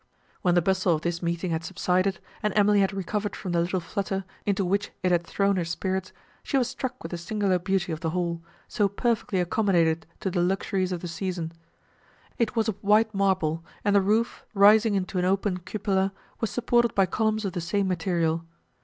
When the bustle of this meeting had subsided, and Emily had recovered from the little flutter into which it had thrown her spirits, she was struck with the singular beauty of the hall, so perfectly accommodated to the luxuries of the season. It was of white marble, and the roof, rising into an open cupola, was supported by columns of the same material.